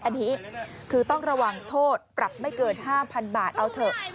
อันนี้คือต้องระวังโทษปรับไม่เกิน๕๐๐๐บาทเอาเถอะ